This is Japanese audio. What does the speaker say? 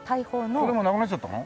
これもなくなっちゃったの？